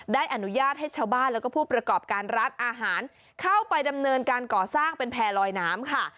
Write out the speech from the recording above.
ได้อนุญาตให้ชาวบ้านแล้วก็ผู้ประกอบการร้านอาหารเข้าไปดำเนินการก่อสร้างเป็นแพร่ลอยน้ำค่ะ